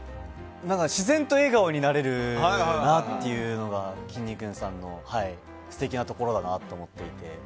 自然と笑顔になれるなっていうのがきんに君さんの素敵なところだなと思っていて。